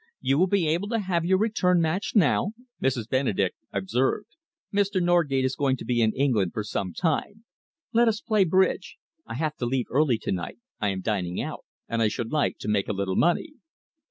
"You will be able to have your return match now," Mrs. Benedek observed. "Mr. Norgate is going to be in England for some time. Let us play bridge. I have to leave early to night I am dining out and I should like to make a little money."